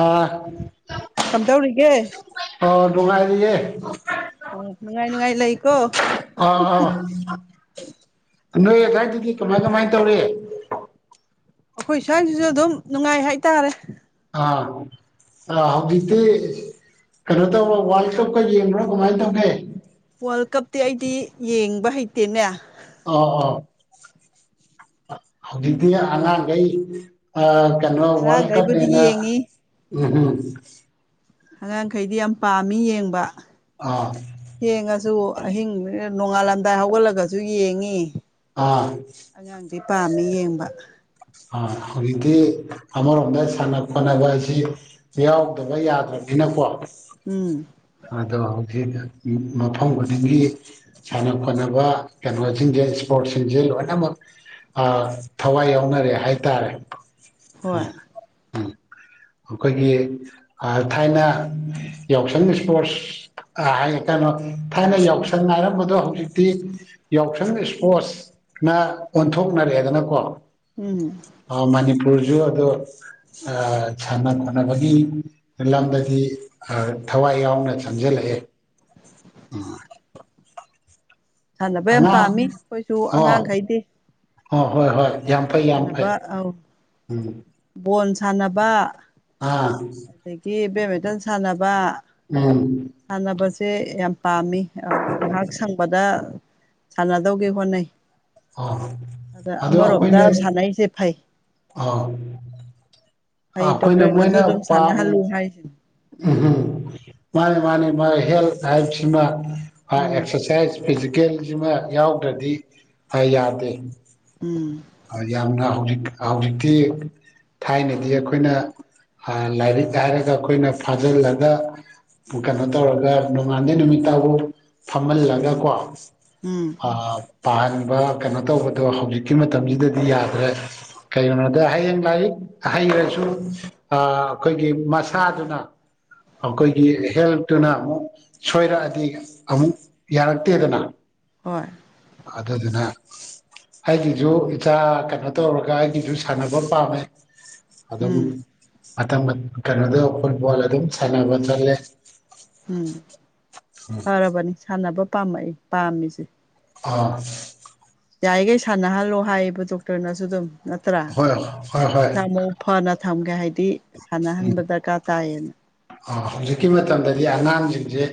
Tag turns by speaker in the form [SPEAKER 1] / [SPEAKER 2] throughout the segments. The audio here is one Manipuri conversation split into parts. [SPEAKER 1] ꯑ
[SPEAKER 2] ꯀꯝꯗꯧꯔꯤꯒꯦ
[SPEAKER 1] ꯑꯣ ꯅꯨꯡꯉꯥꯏꯔꯤꯌꯦ
[SPEAKER 2] ꯑꯣ ꯅꯨꯡꯉꯥꯏ ꯅꯨꯡꯉꯥꯏ ꯂꯩꯀꯣ
[SPEAKER 1] ꯑꯥ ꯑꯥ ꯅꯣꯏ ꯑꯗꯨ꯭ꯋꯥꯏꯗꯨꯗꯤ ꯀꯃꯥꯏ ꯀꯃꯥꯏꯅ ꯇꯧꯔꯤ
[SPEAKER 2] ꯑꯩꯈꯣꯏ ꯁ꯭ꯋꯥꯏꯁꯤꯁꯨ ꯑꯗꯨꯝ ꯅꯨꯡꯉꯥꯏ ꯍꯥꯏꯇꯥꯔꯦ
[SPEAKER 1] ꯑꯥ ꯍꯧꯖꯤꯛꯇꯤ ꯀꯩꯅꯣ ꯇꯧꯕ ꯋꯥꯔꯜ ꯀꯞꯀ ꯌꯦꯡꯕ꯭ꯔꯣ ꯀꯃꯥꯏꯅ ꯇꯧꯒꯦ
[SPEAKER 2] ꯋꯥꯔꯜ ꯀꯞꯇꯤ ꯑꯩꯗꯤ ꯌꯦꯡꯕ ꯍꯩꯇꯦꯅꯦ
[SPEAKER 1] ꯑ ꯑ ꯍꯧꯖꯤꯗꯤ ꯑꯉꯥꯡꯒꯩ ꯑ ꯀꯩꯅꯣ ꯋꯥꯔꯜ ꯀꯞ
[SPEAKER 2] ꯑꯉꯥꯡꯈꯩꯕꯨꯗꯤ
[SPEAKER 1] ꯌꯦꯅ
[SPEAKER 2] ꯌꯦꯡꯉꯤ
[SPEAKER 1] ꯎꯝꯝ
[SPEAKER 2] ꯑꯉꯥꯡꯈꯩꯗꯤ ꯌꯥꯝ ꯄꯥꯝꯃꯤ ꯌꯦꯡꯕ
[SPEAKER 1] ꯑꯥ
[SPEAKER 2] ꯌꯦꯡꯉꯁꯨ ꯑꯍꯤꯡ ꯅꯣꯡꯉꯥꯜꯂꯝꯗꯥꯏ ꯍꯧꯒꯠꯂꯒꯁꯨ ꯌꯦꯡꯉꯤ
[SPEAKER 1] ꯑꯥ
[SPEAKER 2] ꯑꯉꯥꯡꯗꯤ ꯄꯥꯝꯃꯦ ꯌꯦꯡꯕ
[SPEAKER 1] ꯍꯧꯖꯤꯛꯇꯤ
[SPEAKER 2] ꯑꯩꯗꯤ
[SPEAKER 1] ꯑꯃꯔꯣꯝꯗ ꯁꯥꯟꯅ ꯈꯣꯠꯅꯕ ꯍꯥꯏꯁꯤ ꯌꯥꯎꯗꯕ ꯌꯥꯗ꯭ꯔꯕꯅꯤꯅꯀꯣ
[SPEAKER 2] ꯎꯝ
[SPEAKER 1] ꯑꯗꯣ ꯍꯧꯖꯤꯛ ꯃꯐꯝ ꯈꯨꯗꯤꯡꯒꯤ ꯁꯥꯟꯅ ꯈꯣꯠꯅꯕ ꯀꯩꯅꯣꯁꯤꯡꯁꯦ ꯏꯁꯄꯣꯔ꯭ꯠꯁꯤꯡꯁꯦ ꯂꯣꯏꯅꯃꯛ ꯑ ꯊꯋꯥꯏ ꯌꯥꯎꯅꯔꯦ ꯍꯥꯏꯇꯥꯔꯦ
[SPEAKER 2] ꯍꯣꯏ
[SPEAKER 1] ꯑꯩꯈꯣꯏꯒꯤ ꯊꯥꯏꯅ ꯌꯥꯎꯁꯪ ꯏꯁꯄꯣꯔ꯭ꯠꯁ ꯑ ꯍꯥꯏ ꯀꯩꯅꯣ ꯊꯥꯏꯅ ꯌꯥꯎꯁꯪ ꯍꯥꯏꯔꯝꯕꯗꯣ ꯍꯧꯖꯤꯛꯇꯤ ꯌꯥꯎꯁꯪ ꯏꯁꯄꯣꯔꯠꯁꯅ ꯑꯣꯟꯊꯣꯛꯅꯔꯛꯑꯦꯗꯅꯀꯣ
[SPEAKER 2] ꯎꯝ
[SPEAKER 1] ꯃꯅꯤꯄꯨꯔꯁꯨ ꯑꯗꯣ ꯁꯥꯟꯅ ꯈꯣꯠꯅꯕꯒꯤ ꯂꯝꯗꯗꯤ ꯊꯋꯥꯏ ꯌꯥꯎꯅ ꯆꯪꯁꯤꯜꯂꯛꯑꯦ [unintelligible]
[SPEAKER 2] ꯁꯥꯟꯅꯕ ꯌꯥꯝ
[SPEAKER 1] ꯑꯉꯥꯡ
[SPEAKER 2] ꯄꯥꯝꯃꯤ ꯑꯈꯣꯏꯁꯨ ꯑꯉꯥꯡꯈꯩꯗꯤ
[SPEAKER 1] ꯍꯣ ꯍꯣꯏ ꯍꯣꯏ ꯌꯥꯝ ꯐꯩ ꯌꯥꯝ ꯐꯩ ꯎꯝ
[SPEAKER 2] ꯕꯣꯟ ꯁꯥꯟꯅꯕ
[SPEAKER 1] ꯑꯥ
[SPEAKER 2] ꯑꯗꯒꯤ ꯕꯦꯠꯃꯤꯇꯟ ꯁꯥꯟꯅꯕ
[SPEAKER 1] ꯎꯝ
[SPEAKER 2] ꯁꯥꯟꯅꯕꯁꯦ ꯌꯥꯝ ꯄꯥꯝꯃꯤ [unintelligible] ꯉꯥꯍꯥꯛ ꯁꯪꯕꯗ ꯁꯥꯟꯅꯗꯧꯒꯤ ꯍꯣꯠꯅꯩ ꯑꯗ
[SPEAKER 1] [unintelligible] ꯑꯗꯣ ꯑꯩꯈꯣꯏꯅ
[SPEAKER 2] ꯑꯃꯔꯣꯝꯗ [unintelligible] ꯐꯩ
[SPEAKER 1] ꯑꯥꯎ ꯑ
[SPEAKER 2] ꯐꯩ
[SPEAKER 1] ꯑꯈꯣꯏꯅ
[SPEAKER 2] ꯗꯣꯛꯇꯔꯅꯁꯨ
[SPEAKER 1] ꯃꯣꯏꯅ
[SPEAKER 2] ꯑꯗꯨꯝ
[SPEAKER 1] ꯄꯥꯝ
[SPEAKER 2] ꯁꯥꯟꯅꯍꯜꯂꯨ ꯍꯥꯏꯁꯤꯅꯤ
[SPEAKER 1] [unintelligible] ꯃꯥꯅꯤ ꯃꯥꯅꯤ ꯃꯥꯏꯍꯦꯜꯊ ꯍꯥꯏꯕꯁꯤꯃꯥ [unintelligible]
[SPEAKER 2] ꯎꯝ
[SPEAKER 1] ꯑꯦꯛꯁꯁꯥꯏꯁ ꯐꯤꯖꯤꯀꯦꯜꯖꯤꯃ ꯌꯥꯎꯗ꯭ꯔꯗꯤ ꯌꯥꯗꯦ
[SPEAKER 2] ꯎꯝ
[SPEAKER 1] ꯌꯥꯝꯅ ꯍꯧꯖꯤꯛ ꯍꯧꯖꯤꯛꯇꯤ ꯊꯥꯏꯅꯗꯤ ꯑꯈꯣꯏꯅ ꯂꯥꯏꯔꯤꯛ ꯍꯥꯏꯔꯒ ꯑꯈꯣꯏꯅ ꯐꯥꯖꯤꯜꯂꯒ ꯀꯅꯣ ꯇꯧꯔꯒ ꯅꯣꯡꯉꯥꯟꯗꯩ ꯅꯨꯃꯤꯠꯇꯕꯥꯎ ꯐꯝꯍꯜꯂꯒ ꯀꯣ
[SPEAKER 2] ꯎꯝ
[SPEAKER 1] [unintelligible] ꯄꯥꯍꯟꯕ ꯀꯩꯅꯣ ꯇꯧꯕꯗꯣ ꯍꯧꯖꯤꯛꯀꯤ ꯃꯇꯝꯖꯤꯗꯗꯤ ꯌꯥꯗ꯭ꯔꯦ ꯀꯩꯒꯤꯅꯣꯗ ꯍꯌꯦꯡ ꯂꯥꯏꯔꯤꯛ ꯍꯩꯔꯖꯨ ꯑꯥ ꯑꯈꯣꯏꯒꯤ ꯃꯁꯥꯗꯨꯅ ꯑꯈꯣꯏꯒꯤ ꯍꯦꯜꯠꯇꯨꯅ ꯑꯃꯨꯛ ꯁꯣꯏꯔꯛꯑꯗꯤ ꯑꯃꯨꯛ ꯌꯥꯔꯛꯇꯦꯗꯅ
[SPEAKER 2] ꯍꯣꯏ
[SPEAKER 1] ꯑꯗꯨꯗꯨꯅ ꯍꯥꯏꯗꯤ ꯏꯁꯨ ꯏꯆꯥ ꯀꯩꯅꯣ ꯇꯧꯔꯒ ꯑꯩꯒꯤꯁꯨ ꯁꯥꯟꯅꯕ ꯄꯥꯝꯃꯦ ꯑꯗꯨꯝ
[SPEAKER 2] ꯎꯝ
[SPEAKER 1] ꯃꯇꯝ ꯀꯩꯅꯣꯗꯨ ꯐꯨꯠꯕꯣꯜ ꯑꯗꯨꯝ ꯁꯥꯟꯅꯕ ꯆꯠꯂꯦ
[SPEAKER 2] ꯎꯝ ꯐꯔꯕꯅꯤ ꯁꯥꯟꯅꯕ ꯄꯥꯝꯃꯛꯏ ꯄꯥꯝꯃꯤꯁꯦ
[SPEAKER 1] ꯑꯥ
[SPEAKER 2] ꯌꯥꯢꯈꯩ ꯁꯥꯟꯅꯍꯜꯂꯣ ꯍꯥꯏꯌꯦꯕ ꯗꯣꯛꯇꯔꯅꯁꯨ ꯑꯗꯨꯝ ꯅꯠꯇ꯭ꯔꯥ
[SPEAKER 1] ꯍꯣꯏ ꯍꯣꯏ ꯍꯣꯏ
[SPEAKER 2] ꯃꯁꯥ ꯃꯎ ꯐꯅ ꯊꯝꯒꯦ ꯍꯥꯏꯗꯤ
[SPEAKER 1] ꯎꯝ
[SPEAKER 2] ꯁꯥꯟꯅꯍꯟꯕ ꯗꯔꯀꯥꯔ ꯇꯥꯏꯌꯦꯅ
[SPEAKER 1] ꯍꯧꯖꯤꯛꯀꯤ ꯃꯇꯝꯗꯗꯤ ꯑꯉꯥꯡꯖꯤꯡꯖꯦ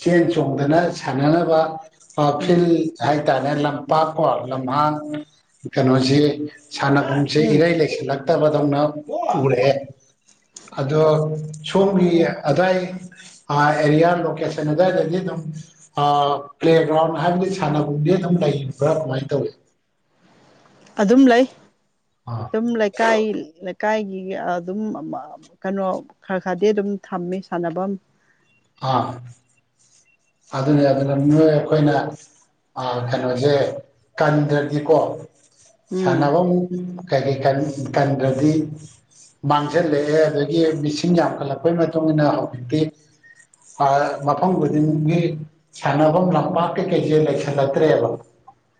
[SPEAKER 1] ꯆꯦꯟ ꯆꯣꯡꯗꯅ ꯁꯥꯟꯅꯅꯕ ꯑ
[SPEAKER 2] ꯎꯝ
[SPEAKER 1] ꯐꯤꯜ ꯍꯥꯏꯇꯥꯔꯦ ꯂꯝꯄꯥꯛ ꯀꯣ ꯂꯝꯍꯥꯡ ꯀꯅꯣꯁꯤ ꯁꯥꯟꯅꯕꯨꯡꯁꯤ
[SPEAKER 2] ꯎꯝ
[SPEAKER 1] ꯏꯔꯩ ꯂꯩꯁꯤꯜꯂꯛꯇꯕꯗꯧꯅ ꯎꯔꯛꯑꯦ ꯑꯗꯣ ꯁꯣꯝꯒꯤ ꯑꯗꯨꯋꯥꯏ ꯑ ꯑꯦꯔꯤꯌꯥ ꯂꯣꯀꯦꯟ ꯀꯅꯣ ꯑꯗꯨꯋꯥꯏꯗꯗꯤ ꯗꯨꯝ ꯑꯥ ꯄ꯭ꯂꯦꯒ꯭ꯔꯥꯎꯟ ꯍꯥꯏꯗꯤ ꯁꯥꯟꯅꯕꯨꯡꯗꯤ ꯑꯗꯨꯝ ꯂꯩꯕ꯭ꯔꯥ ꯀꯃꯥꯏꯟ ꯇꯧꯏ
[SPEAKER 2] ꯑꯗꯨꯝ ꯂꯩ
[SPEAKER 1] [unintelligible]
[SPEAKER 2] ꯑꯗꯨꯝ ꯂꯩꯀꯥꯏ ꯂꯩꯀꯥꯏꯒꯤ ꯑꯗꯨꯝ [unintelligible] ꯀꯅꯣ ꯈ꯭ꯔ ꯈ꯭ꯔꯗꯤ ꯑꯗꯨꯝ ꯊꯝꯃꯤ ꯁꯥꯟꯅꯕꯝ
[SPEAKER 1] ꯑꯥ ꯑꯗꯨꯅꯤ ꯑꯗꯨꯅ ꯅꯣꯏ ꯑꯈꯣꯏꯅ ꯑꯥ ꯀꯩꯅꯣꯖꯦ ꯇꯟꯗ꯭ꯔꯗꯤꯀꯣ
[SPEAKER 2] ꯎꯝ
[SPEAKER 1] ꯁꯥꯟꯅꯕꯝ [unintelligible] ꯇꯟꯗ꯭ꯔꯗꯤ ꯃꯥꯡꯖꯜꯂꯛꯑꯦ ꯑꯗꯒꯤ ꯃꯤꯁꯤꯡ ꯌꯥꯝꯈꯠꯂꯛꯄꯩ ꯃꯇꯨꯡ ꯏꯟꯅ ꯍꯧꯖꯤꯛꯇꯤ ꯃꯐꯝ ꯈꯨꯗꯤꯡꯒꯤ ꯁꯥꯟꯅꯐꯝ ꯂꯝꯄꯥꯛ ꯀꯩꯀꯩ ꯁꯦ ꯂꯩꯁꯜꯂꯛꯇ꯭ꯔꯦꯕ꯫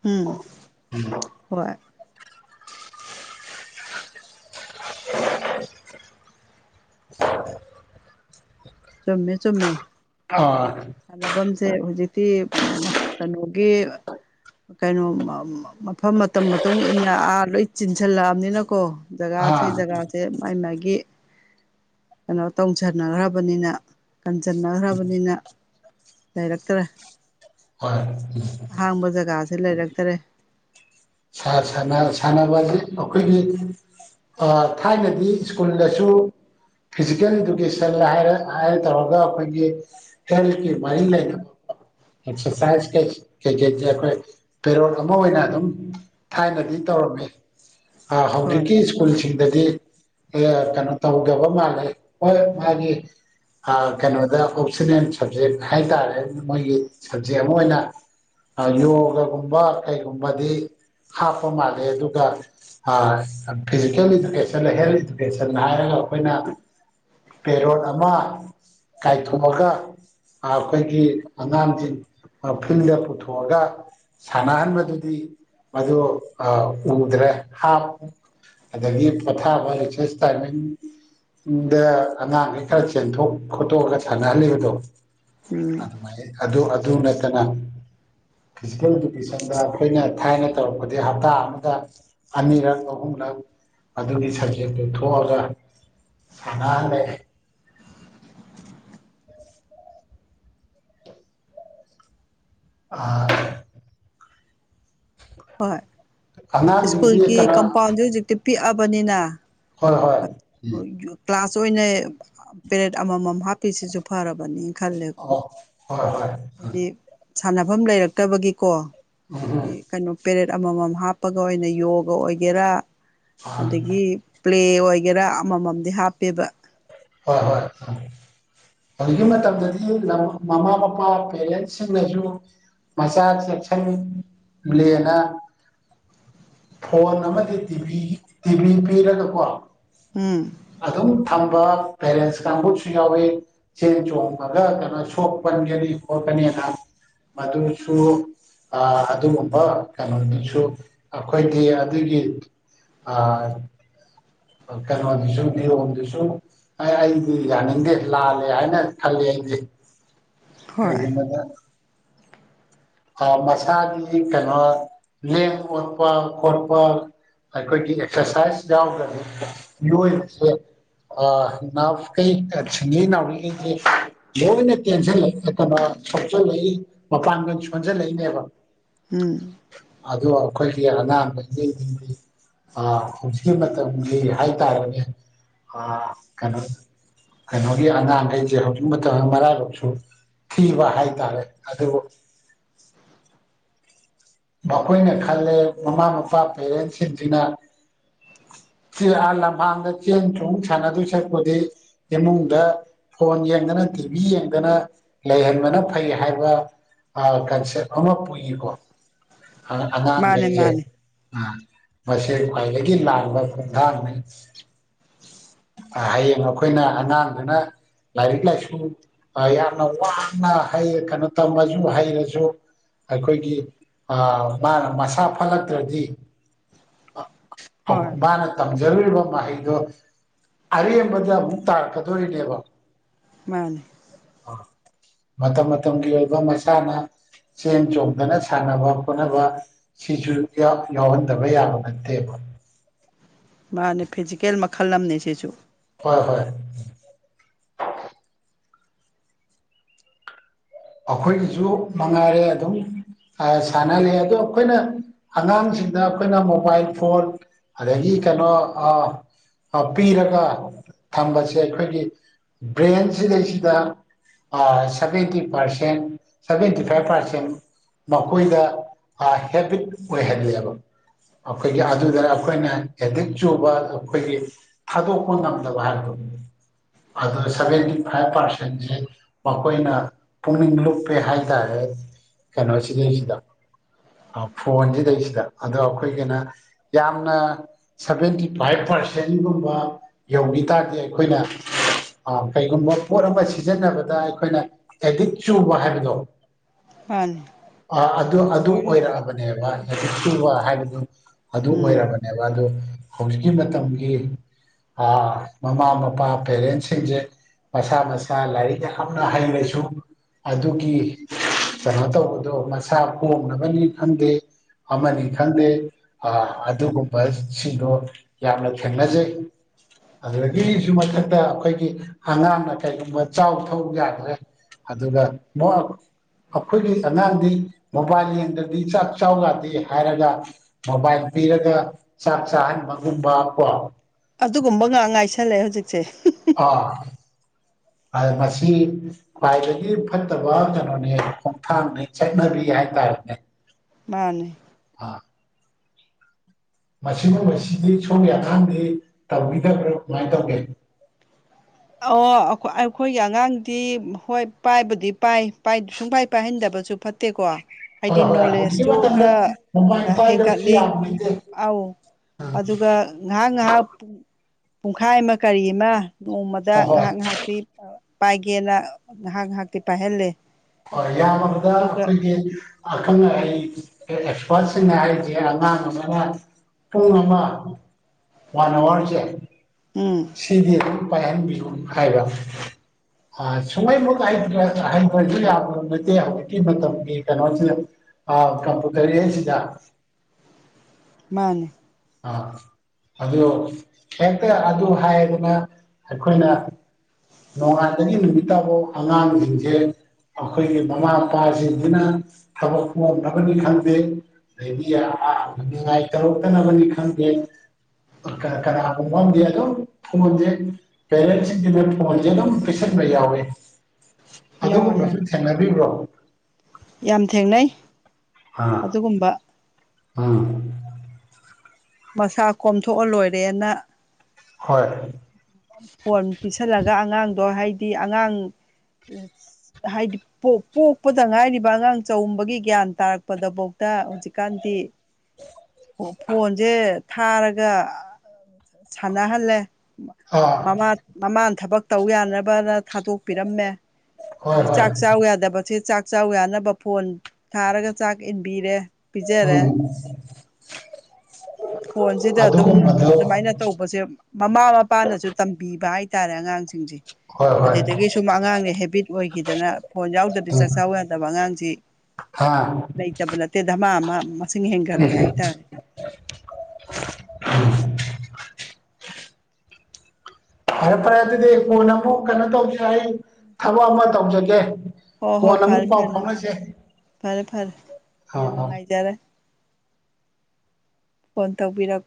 [SPEAKER 2] ꯎꯝ ꯍꯣꯏ꯫
[SPEAKER 1] [unintelligible]
[SPEAKER 2] ꯆꯨꯝꯃꯦ ꯆꯨꯝꯃꯦ꯫
[SPEAKER 1] [unintelligible]
[SPEAKER 2] ꯁꯥꯟꯅꯐꯝꯁꯦ ꯍꯧꯖꯤꯛꯇꯤ ꯃ ꯀꯩꯅꯣꯒꯤ ꯀꯩꯅꯣ ꯃ ꯃ ꯃꯐꯝ ꯃꯇꯝ ꯃꯇꯨꯡ ꯏꯟꯅ ꯑꯥ ꯂꯣꯏ ꯆꯤꯟꯁꯤꯜꯂꯛꯑꯕꯅꯤꯅ ꯀꯣ꯫ ꯖꯒꯥꯁꯦ
[SPEAKER 1] ꯑꯥ
[SPEAKER 2] ꯖꯒꯥꯁꯦ ꯃꯥꯏ ꯃꯥꯏꯒꯤ ꯀꯩꯅꯣ ꯇꯧꯁꯟꯅꯈ꯭ꯔ ꯕꯅꯤꯅ ꯀꯟꯁꯤꯟꯅꯈ꯭ꯔꯕꯅꯤꯅ ꯂꯩꯔꯛꯇ꯭ꯔꯦ꯫
[SPEAKER 1] ꯍꯣꯏ
[SPEAKER 2] ꯑꯍꯥꯡꯕ ꯖꯒꯥꯁꯦ ꯂꯩꯔꯛꯇ꯭ꯔꯦ꯫
[SPEAKER 1] ꯁꯥ ꯁꯅꯥ ꯁꯅꯥꯕ ꯍꯥꯏꯗꯤ ꯑꯈꯣꯏꯒꯤ ꯑ ꯊꯥꯏꯅꯗꯤ ꯁ꯭ꯀꯨꯜꯗꯁꯨ ꯐꯤꯖꯤꯀꯦꯜ ꯏꯗꯨꯀꯦꯁꯟ ꯍꯥꯏꯔ ꯍꯥꯏꯔ ꯇꯧꯔꯒ ꯑꯈꯣꯏꯒꯤ ꯍꯦꯜꯀꯤ ꯃꯥꯔꯤ ꯂꯩꯅ ꯑꯦꯛꯁꯔꯁꯥꯏꯁ ꯀꯩ ꯀꯩꯀꯩ ꯑꯩꯈꯣꯏ ꯄꯦꯔꯣꯜ ꯑꯃ ꯑꯣꯏꯅ ꯑꯗꯨꯝ ꯊꯥꯏꯅꯗꯤ ꯇꯧꯔꯝꯃꯦ ꯑꯥ
[SPEAKER 2] ꯍꯣꯏ
[SPEAKER 1] ꯍꯧꯖꯤꯛꯀꯤ ꯁ꯭ꯀꯨꯜꯁꯤꯡꯗꯗꯤ ꯀꯌꯥ ꯀꯩꯅꯣ ꯇꯧꯗꯕ ꯃꯥꯜꯂꯦ ꯍꯣꯏ ꯃꯥꯒꯤ ꯑ ꯀꯩꯅꯣꯗ ꯑꯣꯞꯁꯟꯅꯜ ꯁꯕꯖꯦꯛ ꯍꯥꯏꯇꯥꯔꯦ ꯃꯣꯏꯒꯤ ꯁꯕꯖꯦꯛ ꯑꯃ ꯑꯣꯏꯅ ꯑꯌꯣꯒꯒꯨꯝꯕ ꯀꯩꯒꯨꯝꯕꯗꯤ ꯍꯥꯞꯄ ꯃꯥꯜꯂꯦ ꯑꯗꯨꯒ ꯑ ꯐꯤꯖꯤꯀꯦꯜ ꯏꯗꯨꯀꯦꯁꯟ ꯍꯦꯜꯊ ꯏꯗꯨꯀꯦꯁꯟ ꯍꯥꯏꯔꯒ ꯑꯩꯈꯣꯏꯅ ꯄꯦꯔꯣꯠ ꯑꯃ ꯀꯥꯏꯊꯣꯛꯑꯒ ꯑꯈꯣꯏꯒꯤ ꯑꯉꯥꯡꯁꯤꯡ ꯐꯤꯜꯗ ꯄꯨꯊꯣꯛꯑꯒ ꯁꯥꯟꯅꯍꯟꯕꯗꯨꯗꯤ ꯃꯗꯨ ꯎꯗ꯭ꯔꯦ ꯍꯥꯞ ꯑꯗꯒꯤ ꯄꯣꯊꯥꯕ ꯔꯦꯁꯦꯁ ꯇꯥꯏꯃꯤꯡ ꯗ ꯑꯉꯥꯡꯈꯩ ꯈꯔ ꯆꯦꯟꯊꯣꯛ ꯈꯣꯠꯇꯣꯛꯑꯒ ꯁꯥꯟꯅꯍꯜꯂꯤꯕꯗꯣ
[SPEAKER 2] ꯎꯝ
[SPEAKER 1] ꯑꯗꯨꯃꯥꯏꯅ ꯑꯗꯨ ꯑꯗꯨ ꯅꯠꯇꯅ ꯐꯤꯖꯤꯀꯦꯜ ꯏꯗꯨꯀꯦꯁꯟꯗ ꯑꯩꯈꯣꯏꯅ ꯊꯥꯏꯅ ꯇꯧꯔꯛꯄꯗꯤ ꯍꯞꯇꯥ ꯑꯃꯗ ꯑꯅꯤꯔꯛ ꯑꯍꯨꯝꯂꯛ ꯑꯗꯨꯒꯤ ꯁꯕꯖꯦꯛꯇꯨ ꯊꯣꯛꯑꯒ ꯁꯥꯟꯅꯍꯜꯂꯦ꯫ [unintelligible]
[SPEAKER 2] ꯍꯣꯏ
[SPEAKER 1] ꯑꯉꯥꯡꯁꯤꯡꯗꯤ
[SPEAKER 2] ꯏꯁ꯭ꯀꯨꯜꯒꯤ
[SPEAKER 1] ꯀꯩꯅꯣ
[SPEAKER 2] ꯀꯝꯄꯥꯎꯟꯁꯦ ꯍꯧꯖꯤꯛꯇꯤ ꯄꯤꯛꯑꯕꯅꯤꯅ꯫
[SPEAKER 1] ꯍꯣꯏ ꯍꯣꯏ
[SPEAKER 2] ꯑꫭ ꯌꫭ ꯀ꯭ꯂꯥꯁ ꯑꯣꯏꯅ ꯄꯦꯔꯦꯠ ꯑꯃꯃꯝ ꯍꯥꯞꯄꯤꯁꯤꯁꯨ ꯐꯔꯕꯅꯤ꯫ ꯈꯜꯂꯦ
[SPEAKER 1] ꯑꯣ ꯍꯣꯏ ꯍꯣꯏ꯫
[SPEAKER 2] ꯍꯥꯏꯗꯤ ꯁꯥꯟꯅꯐꯝ ꯂꯩꯔꯛꯇꯕꯒꯤꯀꯣ꯫
[SPEAKER 1] [unintelligible]
[SPEAKER 2] ꯀꯩꯅꯣ ꯄꯦꯔꯦꯠ ꯑꯃꯃꯝ ꯍꯥꯞꯄꯒ ꯑꯣꯏꯅ ꯌꯣꯒ ꯑꯣꯏꯒꯦꯔꯥ
[SPEAKER 1] ꯎꯝ
[SPEAKER 2] ꯑꯗꯒꯤ ꯄ꯭ꯂꯦ ꯑꯣꯏꯒꯦꯔꯥ ꯑꯃꯃꯝꯗꯤ ꯍꯥꯞꯄꯦꯕ꯫
[SPEAKER 1] ꯍꯣꯏ ꯍꯣꯏ ꯎꯝ꯫ ꯍꯧꯖꯤꯛꯀꯤ ꯃꯇꯝꯗꯗꯤ ꯃꯃꯥ ꯃꯄꯥ ꯄꯦꯔꯦꯟꯁꯁꯤꯡꯅꯁꯨ ꯃꯆꯥ ꯆꯦꯛꯁꯟꯂꯦꯅ ꯐꯣꯟ ꯑꯃꯗꯤ ꯇꯤꯚꯤ ꯇꯤꯚꯤ ꯄꯤꯔꯒꯀꯣ
[SPEAKER 2] ꯎꯝ꯫
[SPEAKER 1] ꯑꯗꯨꯝ ꯊꯝꯕ ꯄꯦꯔꯦꯟꯁ ꯀꯥꯡꯕꯨꯁꯨ ꯌꯥꯎꯋꯤ꯫ ꯆꯦꯟ ꯆꯣꯡꯕꯒ ꯀꯩꯅꯣ ꯁꯣꯛ ꯄꯟꯒꯅꯤ ꯈꯣꯠꯀꯅꯤꯅ ꯃꯗꯨꯁꯨ ꯑꯗꯨꯒꯨꯝꯕ ꯀꯩꯅꯣꯗꯨꯁꯨ ꯑꯈꯣꯏꯗꯤ ꯑꯗꯨꯒꯤ [unintelligible] ꯀꯅꯣꯗꯁꯨ [inaudible] ꯗꯁꯨ ꯑꯩ ꯑꯩꯗꯤ ꯌꯥꯅꯤꯡꯗꯦ ꯂꯥꯜꯂꯦ ꯍꯥꯏꯅ ꯈꯜꯂꯦ ꯑꯩꯗꯤ
[SPEAKER 2] ꯍꯣꯏ
[SPEAKER 1] ꯀꯩꯒꯤꯅꯣꯗ ꯑꯥ ꯃꯁꯥꯒꯤ ꯀꯩꯅꯣ ꯂꯦꯡ ꯑꯣꯠꯄ ꯈꯣꯠꯄ ꯑꯩꯈꯣꯏꯒꯤ ꯑꯦꯛꯁꯔꯁꯥꯏꯁ ꯌꯥꯎꯗ꯭ꯔꯥꯗꯤ ꯃꯤꯑꯣꯏꯕꯁꯦ ꯑ ꯅꯥ ꯀꯩ ꯁꯤꯡꯂꯤ ꯅꯥꯎꯔꯤ ꯒꯩꯖꯦ ꯂꯣꯏꯅ ꯇꯦꯟꯁꯤꯜꯂꯛꯏ ꯁꯣꯛꯆꯜꯂꯛꯏ ꯃꯄꯥꯡꯒꯜ ꯁꯣꯟꯖꯜꯂꯛꯏꯅꯦꯕ
[SPEAKER 2] ꯎꯝ
[SPEAKER 1] ꯑꯗꯣ ꯑꯈꯣꯏꯒꯤ ꯑꯉꯥꯡꯒꯣꯏꯖꯤꯡꯁꯤꯗꯤ ꯑꯥ ꯍꯧꯖꯤꯛꯀꯤ ꯃꯇꯝꯒꯤ ꯍꯥꯏꯇꯥꯔꯦꯅꯦ ꯑꯥ ꯀꯩꯅꯣ ꯀꯩꯅꯣꯒꯤ ꯑꯉꯥꯡꯒꯩꯁꯦ ꯍꯧꯖꯤꯛ ꯃꯇꯝ ꯃꯔꯥꯏꯕꯛꯁꯨ ꯊꯤꯕ ꯍꯥꯏꯇꯥꯔꯦ ꯑꯗꯨꯕꯨ [unintelligible] ꯃꯈꯣꯏꯅ ꯈꯜꯂꯦ ꯃꯃꯥ ꯃꯄꯥ ꯄꯦꯔꯦꯟꯁꯁꯤꯡꯁꯤꯅ ꯁꯤ ꯑꯥ ꯂꯝꯍꯥꯡꯗ ꯆꯦꯟ ꯆꯣꯡ ꯁꯥꯟꯅꯗꯣꯏ ꯁꯔꯨꯛꯄꯨꯗꯤ ꯏꯃꯨꯡꯗ ꯐꯣꯟ ꯌꯦꯡꯗꯅ ꯇꯤꯚꯤ ꯌꯦꯡꯗꯅ ꯂꯩꯍꯟꯕꯅ ꯐꯩ ꯍꯥꯏꯕ ꯑꯥ ꯀꯟꯁꯦꯞ ꯑꯃ ꯄꯨꯏꯀꯣ
[SPEAKER 2] ꯃꯥꯅꯦ
[SPEAKER 1] ꯑꯉꯥꯡꯒꯩꯁꯦ
[SPEAKER 2] ꯃꯥꯅꯦ
[SPEAKER 1] ꯑꯥ ꯃꯁꯤ ꯈ꯭ꯋꯥꯏꯗꯒꯤ ꯂꯥꯟꯕ ꯈꯣꯡꯊꯥꯡꯅꯤ ꯍꯌꯦꯡ ꯑꯩꯈꯣꯏꯅ ꯑꯉꯥꯡꯗꯨꯅ ꯂꯥꯏꯔꯤꯛ ꯂꯥꯏꯁꯨ ꯌꯥꯝꯅ ꯋꯥꯅ ꯍꯩ ꯀꯩꯅꯣ ꯇꯝꯃꯁꯨ ꯍꯩꯔꯁꯨ ꯑꯩꯈꯣꯏꯒꯤ ꯑꯥ ꯃꯥꯅ ꯃꯁꯥ ꯐꯠꯂꯛꯇ꯭ꯔꯥꯗꯤ
[SPEAKER 2] ꯍꯣꯏ
[SPEAKER 1] ꯃꯥꯅ ꯇꯝꯖꯔꯨꯔꯤꯕ ꯃꯍꯩꯗꯣ ꯑꯔꯦꯝꯕꯗ ꯑꯃꯨꯛ ꯇꯥꯔꯛꯀꯗꯣꯔꯤꯅꯦꯕ
[SPEAKER 2] ꯃꯥꯅꯦ
[SPEAKER 1] ꯃꯇꯝ ꯃꯇꯝꯒꯤ ꯑꯣꯏꯕ ꯃꯁꯥꯅ ꯆꯦꯟ ꯆꯣꯡꯗꯅ ꯁꯥꯟꯅꯕ ꯈꯣꯠꯅꯕ ꯁꯤꯁꯨ ꯌꯥꯎ ꯌꯥꯎꯍꯟꯗꯕ ꯌꯥꯕ ꯅꯠꯇꯦꯕ
[SPEAKER 2] ꯃꯥꯅꯦ ꯐꯤꯖꯤꯀꯦꯜ ꯃꯥ ꯈꯜ ꯑꯝꯅꯦꯁꯤꯁꯨ
[SPEAKER 1] ꯍꯣꯏ ꯍꯣꯏ ꯑꯈꯣꯏꯒꯤꯁꯨ ꯃꯉꯥꯏꯔꯦ ꯑꯗꯨꯝ ꯑꯥ ꯁꯥꯟꯅꯔꯦ ꯑꯗꯣ ꯑꯈꯣꯏꯅ ꯑꯉꯥꯡꯁꯤꯡꯗ ꯑꯩꯈꯣꯏꯅ ꯃꯣꯕꯥꯏꯜ ꯐꯣꯟ ꯑꯗꯒꯤ ꯀꯩꯅꯣ ꯑꯥ ꯄꯤꯔꯒ ꯊꯝꯕꯁꯦ ꯑꯩꯈꯣꯏꯒꯤ ꯕ꯭ꯔꯦꯟ ꯁꯤꯗꯩꯁꯤꯗ ꯑꯥ seventy percent seventy five percent ꯃꯈꯣꯏꯗ ꯑꯥ ꯍꯦꯕꯤꯠ ꯑꯣꯏꯍꯜꯂꯦꯕ ꯑꯩꯈꯣꯏꯒꯤ ꯑꯗꯨꯗ ꯑꯩꯈꯣꯏꯅ ꯑꯦꯗꯤꯛ ꯆꯨꯕ ꯑꯩꯈꯣꯏꯒꯤ ꯊꯥꯗꯣꯛꯄ ꯉꯝꯗꯕ ꯍꯥꯏꯕꯗꯣ ꯑꯗꯨ ꯁꯚꯦꯟꯇꯤ ꯐꯥꯏꯚ ꯄꯥꯔꯁꯦꯟꯁꯦ ꯃꯈꯣꯏꯅ ꯄꯨꯛꯅꯤꯡ ꯂꯨꯞꯄꯦ ꯍꯥꯏꯇꯥꯔꯦ ꯀꯩꯅꯣ ꯁꯤꯗꯩꯁꯤꯗ ꯐꯣꯟꯁꯤꯗꯩꯁꯤꯗ ꯑꯗꯣ ꯑꯩꯈꯣꯏꯒꯤꯅ ꯌꯥꯝꯅ ꯁꯚꯦꯟꯇꯤ ꯐꯥꯏꯚ ꯄꯥꯔꯁꯦꯟꯒꯨꯝꯕ ꯌꯧꯈꯤ ꯇꯥꯔꯗꯤ ꯑꯩꯈꯣꯏꯅ ꯀꯩꯒꯨꯝꯕ ꯄꯣꯠ ꯑꯃ ꯁꯤꯖꯤꯟꯅꯕꯗ ꯑꯩꯈꯣꯏꯅ ꯑꯦꯗꯤꯛ ꯆꯨꯕ ꯍꯥꯏꯕꯗꯣ
[SPEAKER 2] ꯃꯥꯅꯤ
[SPEAKER 1] ꯑꯥ ꯑꯗꯨ ꯑꯗꯨ ꯑꯣꯏꯔꯛꯑꯕꯅꯦꯕ ꯑꯦꯗꯤꯛ
[SPEAKER 2] ꯎꯝ
[SPEAKER 1] ꯁꯨꯕ ꯍꯥꯏꯕꯗꯨ ꯑꯗꯨ
[SPEAKER 2] ꯎꯝ
[SPEAKER 1] ꯑꯣꯏꯔꯕꯅꯦꯕ ꯑꯗꯨ ꯍꯧꯖꯤꯛꯀꯤ ꯃꯇꯝꯒꯤ ꯑꯥ ꯃꯃꯥ ꯃꯄꯥ ꯄꯦꯔꯦꯟꯁꯤꯡꯖꯦ ꯃꯁꯥ ꯃꯁꯥ ꯂꯥꯏꯔꯤꯛ ꯌꯥꯝꯅ ꯍꯩꯔꯖꯨ ꯑꯗꯨꯒꯤ ꯀꯩꯅꯣ ꯇꯧꯕꯗꯣ ꯃꯆꯥ ꯄꯣꯛꯅꯕꯅꯤ ꯈꯪꯗꯦ ꯑꯃꯅꯤ ꯈꯪꯗꯦ ꯑ ꯑꯗꯨꯒꯨꯝꯕꯁꯤꯡꯗꯣ ꯌꯥꯝꯅ ꯊꯦꯡꯅꯖꯩ ꯑꯗꯨꯗꯒꯤꯖꯨ ꯃꯊꯛꯇ ꯑꯩꯈꯣꯏꯒꯤ ꯑꯉꯥꯡꯅ ꯀꯩꯒꯨꯝꯕ ꯆꯥꯎ ꯊꯛꯎ ꯌꯥꯗ꯭ꯔꯦ ꯑꯗꯨꯗ ꯃꯣꯛ ꯑꯈꯣꯏꯒꯤ ꯑꯉꯥꯡꯗꯤ ꯃꯣꯕꯥꯏꯜ ꯌꯦꯡꯗ꯭ꯔꯗꯤ ꯆꯥꯛ ꯆꯥꯎ ꯌꯥꯗꯦ ꯍꯥꯏꯔꯒ ꯃꯣꯕꯥꯏꯜ ꯄꯤꯔꯒ ꯆꯥꯛ ꯆꯥꯍꯟꯕꯒꯨꯝꯕ ꯀꯣ
[SPEAKER 2] ꯑꯗꯨꯒꯨꯝꯕ ꯉꯥꯛ ꯉꯥꯏꯁꯜꯂꯛꯑꯦ ꯍꯧꯖꯤꯛꯁꯦ
[SPEAKER 1] ꯑꯥ ꯑ ꯃꯁꯤ ꯈ꯭ꯋꯥꯏꯗꯒꯤ ꯐꯠꯇꯕ ꯀꯩꯅꯣꯅꯦ ꯈꯣꯡꯊꯥꯡꯅꯦ ꯆꯠꯅꯕꯤ ꯍꯥꯏꯇꯥꯔꯦꯅꯦ
[SPEAKER 2] ꯃꯥꯅꯤ
[SPEAKER 1] ꯑ ꯃꯁꯤꯒꯨꯝꯕꯁꯤꯗꯤ ꯁꯣꯝꯒꯤ ꯑꯉꯥꯡꯗꯤ ꯇꯧꯕꯤꯗꯕ꯭ꯔꯥ ꯀꯃꯥꯏ ꯇꯧꯒꯦ
[SPEAKER 2] ꯑꯣ ꯑꯈꯣꯏ ꯑꯩꯈꯣꯏꯒꯤ ꯑꯉꯥꯡꯗꯤ ꯍꯣꯏ ꯄꯥꯏꯕꯨꯗꯤ ꯄꯥꯏ ꯄꯥꯏ ꯁꯨꯡꯄꯥꯏ ꯄꯥꯏꯍꯟꯗꯕꯁꯨ ꯐꯠ ꯇꯦꯀꯣ
[SPEAKER 1] ꯍꯣꯏ
[SPEAKER 2] ꯍꯥꯏꯗꯤ
[SPEAKER 1] ꯍꯣꯏ ꯍꯧꯖꯤꯛꯀꯤ
[SPEAKER 2] ꯅꯣꯂꯦꯖꯇꯨ
[SPEAKER 1] ꯃꯇꯝꯗ
[SPEAKER 2] ꯈꯔ
[SPEAKER 1] ꯃꯣꯕꯥꯏꯜ
[SPEAKER 2] ꯑ
[SPEAKER 1] ꯄꯥꯏꯗꯕꯁꯨ
[SPEAKER 2] ꯍꯦꯟꯒꯠꯂꯤ
[SPEAKER 1] ꯌꯥꯕ ꯅꯠꯇꯦ
[SPEAKER 2] ꯑꯥꯎ ꯑꯗꯨꯒ ꯉꯥꯏꯍꯥꯛ ꯉꯥꯏꯍꯥꯛ ꯄꯨꯡꯈꯥꯏ ꯑꯃ ꯀꯔꯤ ꯑꯃ ꯅꯣꯡꯃꯗ
[SPEAKER 1] ꯍꯣꯏ ꯍꯣꯏ
[SPEAKER 2] ꯉꯍꯥꯛ ꯉꯍꯥꯛ ꯇꯤ ꯄꯥꯏꯒꯦꯅ ꯉꯍꯥꯛ ꯉꯍꯥꯛꯇꯤ ꯄꯥꯏꯍꯜꯂꯦ
[SPEAKER 1] ꯍꯣꯏ ꯌꯥꯝꯃꯕꯗ
[SPEAKER 2] ꯑꯗꯨꯒ
[SPEAKER 1] ꯑꯈꯣꯏꯒꯤ ꯑꯈꯪ ꯑꯍꯩ ꯑꯦꯛꯁꯄꯥꯔꯠꯁꯤꯡꯅ ꯍꯥꯏꯔꯤꯖꯦ ꯑꯉꯥꯡ ꯑꯃꯅ ꯄꯨꯡ ꯑꯃ ꯋꯥꯟ ꯑꯋꯥꯔꯖꯦ
[SPEAKER 2] ꯎꯝ
[SPEAKER 1] ꯁꯤꯗꯤ ꯑꯗꯨꯝ ꯄꯥꯏꯍꯟꯕꯤꯌꯨ ꯍꯥꯏꯕ ꯑ ꯁꯨꯡꯍꯩꯃꯛ ꯍꯩꯇꯔ꯭ ꯍꯩꯇꯔ꯭ꯖꯨ ꯌꯥ ꯊꯕꯛ ꯅꯠꯇꯦ ꯍꯧꯖꯤꯛꯀꯤ ꯃꯇꯝꯒꯤ ꯀꯩꯅꯣꯖꯤꯗ ꯑꯥ ꯀꯝꯄꯨꯇꯔ ꯑꯦꯖꯁꯤꯗ
[SPEAKER 2] ꯃꯥꯅꯤ
[SPEAKER 1] ꯑꯥ ꯑꯗꯣ ꯍꯦꯛꯇ ꯑꯗꯨ ꯍꯥꯏꯌꯦꯗꯅ ꯑꯩꯈꯣꯏꯅ ꯅꯣꯡꯉꯥꯟꯇꯒꯤ ꯅꯨꯃꯤꯠꯇꯕꯧ ꯑꯉꯥꯡꯖꯤꯡꯖꯦ ꯑꯈꯣꯏꯒꯤ ꯃꯃꯥ ꯃꯄꯥꯖꯤꯡꯖꯤꯅ ꯊꯕꯛ ꯀꯣꯝꯅꯕꯅꯤ ꯈꯪꯗꯦ ꯗꯩꯗꯤ ꯑꯥ ꯅꯤꯡꯉꯥꯏ ꯇꯧꯔꯛꯇꯅꯕꯅꯤ ꯈꯪꯗꯦ ꯀꯅ ꯀꯅꯥꯒꯨꯝꯕ ꯑꯝꯗꯤ ꯑꯗꯨꯝ ꯐꯣꯟꯖꯦ ꯄꯦꯔꯦꯟꯁꯤꯡꯒꯤꯅ ꯐꯣꯟꯖꯦ ꯑꯗꯨꯝ ꯄꯤꯁꯟꯕ ꯌꯥꯎꯋꯦ
[SPEAKER 2] ꯌꯥꯎꯋꯦ ꯌꯥꯎꯋꯦ
[SPEAKER 1] ꯑꯗꯨꯒꯨꯝꯕꯁꯨ ꯊꯦꯡꯅꯕꯤꯕ꯭ꯔꯣ
[SPEAKER 2] ꯌꯥꯝ ꯊꯦꯡꯅꯩ
[SPEAKER 1] ꯑꯥ
[SPEAKER 2] ꯑꯗꯨꯒꯨꯝꯕ
[SPEAKER 1] ꯎꯝ
[SPEAKER 2] ꯃꯁꯥ ꯀꯣꯝꯊꯣꯛꯑ ꯂꯣꯏꯔꯦꯅ
[SPEAKER 1] ꯍꯣꯏ
[SPEAKER 2] ꯐꯣꯟ ꯄꯤꯁꯜꯂꯒ ꯑꯉꯥꯡꯗꯣ ꯍꯥꯏꯗꯤ ꯑꯉꯥꯡ ꯍꯥꯏꯗ ꯄꯣꯛ ꯄꯣꯛꯄꯗ ꯉꯥꯏꯔꯤꯕ ꯑꯉꯥꯡ ꯆꯎꯝꯕꯒꯤ ꯒ꯭ꯌꯥꯟ ꯇꯥꯔꯛꯄꯗꯕꯣꯛꯇ ꯍꯧꯖꯤꯛꯀꯥꯟꯗꯤ ꯐꯣꯟꯖꯦ ꯊꯥꯔꯒ ꯁꯥꯟꯅꯍꯜꯂꯦ
[SPEAKER 1] ꯑꯥ
[SPEAKER 2] ꯃꯃꯥ ꯃꯃꯥꯅ ꯊꯕꯛ ꯇꯧ ꯌꯥꯅꯕꯅ ꯊꯥꯗꯣꯛꯄꯤꯔꯝꯃꯦ
[SPEAKER 1] ꯍꯣꯏ
[SPEAKER 2] ꯕꯤ
[SPEAKER 1] ꯍꯣꯏ
[SPEAKER 2] ꯆꯥꯛ ꯆꯥꯎ ꯌꯥꯗꯕꯁꯦ ꯆꯥꯛ ꯆꯥꯎ ꯌꯥꯅꯕ ꯐꯣꯟ ꯊꯥꯔꯒ ꯆꯥꯛ ꯏꯟꯕꯤꯔꯦ ꯄꯤꯖꯔꯦ
[SPEAKER 1] ꯎꯝ
[SPEAKER 2] ꯐꯣꯟꯁꯤꯗ ꯑꯗꯨꯝ
[SPEAKER 1] ꯑꯗꯨꯒꯨꯝꯕꯗꯣ
[SPEAKER 2] ꯑꯗꯨꯃꯥꯏꯅ ꯇꯧꯕꯖꯦ ꯃꯃꯥ ꯃꯄꯥꯅꯁꯨ ꯇꯝꯕꯤꯕ ꯍꯥꯏꯇꯥꯔꯦ ꯑꯉꯥꯡꯁꯤꯡꯁꯦ
[SPEAKER 1] ꯍꯣꯏ ꯍꯣꯏ
[SPEAKER 2] ꯑꯗꯨꯗꯒꯤ ꯁꯨꯝ ꯑꯉꯥꯡꯅ ꯍꯦꯕꯤꯠ ꯑꯣꯏꯒꯤꯗꯅ ꯐꯣꯟ ꯌꯥꯎꯗ꯭ꯔꯗꯤ
[SPEAKER 1] ꯎꯝ
[SPEAKER 2] ꯆꯥꯛꯆꯥꯎ ꯌꯥꯗꯕ ꯑꯉꯥꯡꯁꯤ
[SPEAKER 1] ꯍꯥ
[SPEAKER 2] ꯂꯩꯇꯕ ꯅꯠꯇꯦꯗ ꯃꯥꯃꯥ ꯃꯁꯤꯡ ꯍꯦꯟꯒꯠꯂꯦꯑꯦ ꯍꯥꯏꯇꯥꯔꯦ
[SPEAKER 1] ꯐꯔꯦ ꯐꯔꯦ ꯑꯗꯨꯗꯤ ꯀꯣꯟꯅ ꯑꯃꯨꯛ ꯀꯩꯅꯣ ꯇꯧꯖꯤ ꯑꯩ ꯊꯕꯛ ꯑꯃ ꯇꯧꯖꯒꯦ
[SPEAKER 2] ꯍꯣ ꯍꯣ
[SPEAKER 1] ꯀꯣꯟꯅ ꯑꯃꯨꯛ
[SPEAKER 2] ꯐꯔꯦ
[SPEAKER 1] ꯄꯥꯎ
[SPEAKER 2] ꯐꯅꯤ
[SPEAKER 1] ꯐꯥꯎꯅꯖꯦ
[SPEAKER 2] ꯐꯔꯦ ꯐꯔꯦ
[SPEAKER 1] ꯑꯥ
[SPEAKER 2] ꯌꯥꯝ
[SPEAKER 1] ꯑꯥ
[SPEAKER 2] ꯅꯨꯡꯉꯥꯏꯖꯔꯦ ꯐꯣꯟ ꯇꯧꯕꯤꯔꯛ